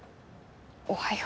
おはよう。